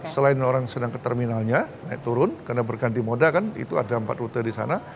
selain orang sedang ke terminalnya naik turun karena berganti moda kan itu ada empat rute di sana